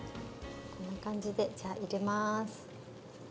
こんな感じでじゃあ入れます。